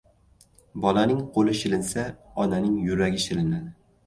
• Bolaning qo‘li shilinsa, onaning yuragi shilinadi.